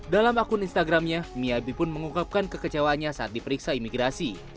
dalam akun instagramnya miabi pun mengungkapkan kekecewaannya saat diperiksa imigrasi